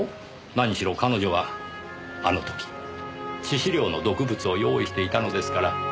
何しろ彼女はあの時致死量の毒物を用意していたのですから。